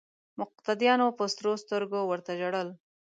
مقتدیانو په سرو سترګو ورته ژړل.